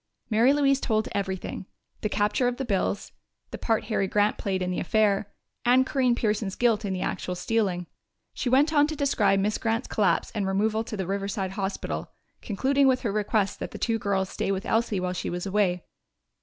Mary Louise told everything the capture of the bills, the part Harry Grant played in the affair, and Corinne Pearson's guilt in the actual stealing. She went on to describe Miss Grant's collapse and removal to the Riverside Hospital, concluding with her request that the two girls stay with Elsie while she was away.